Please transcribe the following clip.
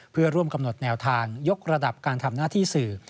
เพื่อร่วมกำหนดแนวทางยกระดับการทำหน้าที่สื่อ